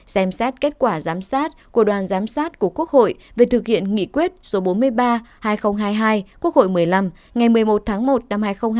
xem xét kết quả giám sát của đoàn giám sát của quốc hội về thực hiện nghị quyết số bốn mươi ba hai nghìn hai mươi hai quốc hội một mươi năm ngày một mươi một tháng một năm hai nghìn hai mươi